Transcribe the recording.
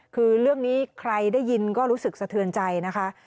คือเรื่องนี้ใครได้ยินก็รู้สึกสะเทือนใจนะคะ